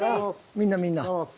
みんなみんな。